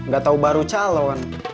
gak tau baru calon